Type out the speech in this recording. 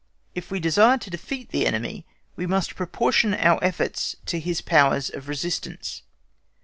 If we desire to defeat the enemy, we must proportion our efforts to his powers of resistance.